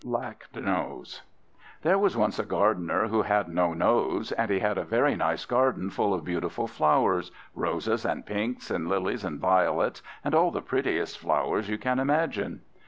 LACKNOSE There was once a Gardener who had no nose, and he had a very nice garden full of beautiful flowers: roses, and pinks, and lilies, and violets, and all the prettiest flowers you can imagine.